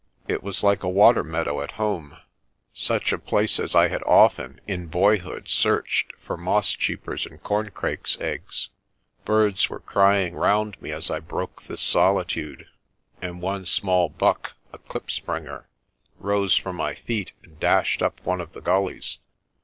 It was like a water meadow at home, such a place as I had often in boyhood searched for moss cheepers' and corncrakes' eggs. Birds were crying round me as I broke this solitude, and one small buck a klipspringer rose from my feet and dashed up one of the gullies.